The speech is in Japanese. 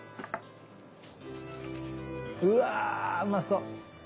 うわうまそ！